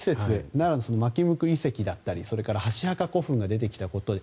奈良の纏向遺跡だったりそれから箸墓古墳が出てきたこと。